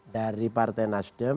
dari partai nasdem